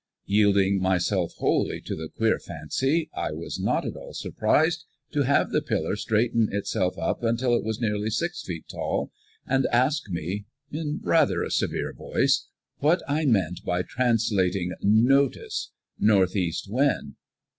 Yielding myself wholly to the queer fancy, I was not at all surprised to have the pillar straighten itself up until it was nearly six feet tall, and ask me in rather a severe voice what I meant by translating notus, "northeast wind?"